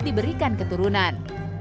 dan diberikan keturunan